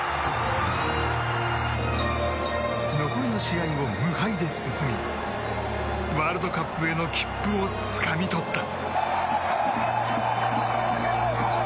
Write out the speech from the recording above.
残りの試合を無敗で進みワールドカップへの切符をつかみ取った。